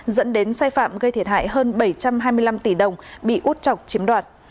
dẫn đến sai phạm gây thiệt hại hơn bảy trăm hai mươi năm tỷ đồng bị út chọc chiếm đoạt